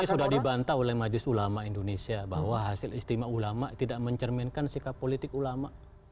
saya sudah dibantah oleh majlis ulama indonesia bahwa hasil istimewa ulama tidak mencerminkan sikap politik ulama